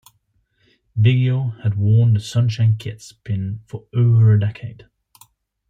Biggio had worn the Sunshine Kids pin for over a decade.